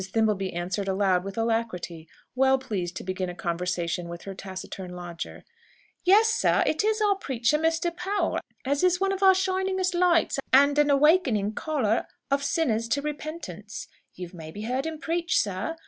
Thimbleby answered aloud with alacrity, well pleased to begin a conversation with her taciturn lodger. "Yes, sir; it is our preacher, Mr. Powell, as is one of our shiningest lights, and an awakening caller of sinners to repentance. You've maybe heard him preach, sir?